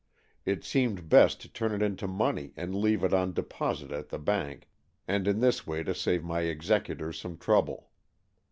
It seemed best to turn it into money and leave it on deposit at the bank, and in this way to save my executors some trouble.